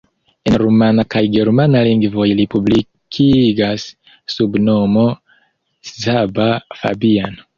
En rumana kaj germana lingvoj li publikigas sub nomo Csaba Fabian.